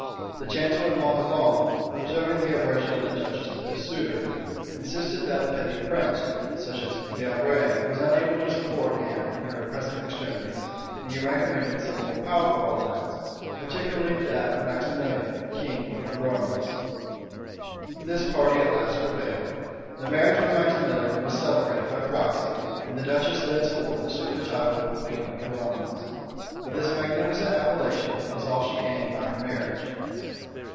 The chancellor Montauban, observing the aversion of the duchess to this suitor, insisted that a petty prince, such as D'Albret, was unable to support Anne in her present extremities; and he recommended some more powerful alliance, particularly that of Maximilian, king of the Romans. {1490.} This party at last prevailed; the marriage with Maximilian was celebrated by proxy; and the duchess thenceforth assumed the title of queen of the Romans. But this magnificent appellation was all she gained by her marriage.